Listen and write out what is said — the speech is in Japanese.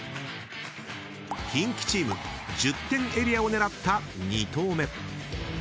［キンキチーム１０点エリアを狙った２投目］